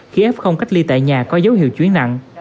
khi f cách ly tại nhà có dấu hiệu chuyển nặng